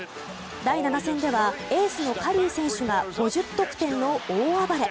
第７戦ではエースのカリー選手が５０得点の大暴れ。